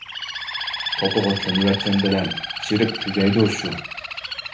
توپىغا كۆمۈۋەتكەن بىلەن چىرىپ تۈگەيدۇ شۇ!